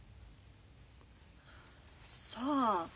さあ。